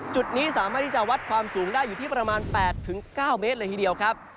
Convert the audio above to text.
จุดนี้สามารถที่จะวัดความสูงได้อยู่ที่ประมาณ๘๙เมตรเลยทีเดียวครับ